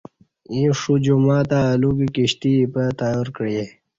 ییں شو جمعہ تہ اہ لوکی کشتی اِیپہ تیار کعئے